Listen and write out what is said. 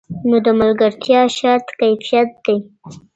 نو د ملګرتیا شرط کیفیت دی.